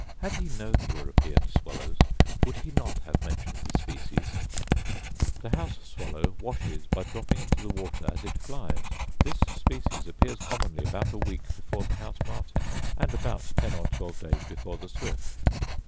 Had he known European swallows, would he not have mentioned the species ? The house swallow washes by dropping into the water as it flies: this species appears commonly about a week before the house martin, and about ten or twelve days before the swift.